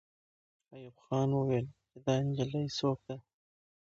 ایوب خان وویل چې دا نجلۍ څوک ده.